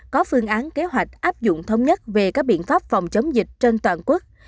có phương án kế hoạch áp dụng thống nhất về các biện pháp phòng chống dịch trên toàn quốc